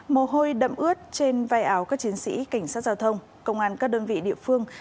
mồ hôi đậm ướt trên vai áo các chiến sĩ cảnh sát giao thông công an các đơn vị địa phương